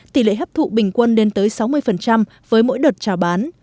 tỷ lệ hấp thụ bình quân lên tới sáu mươi với mỗi đợt trào bán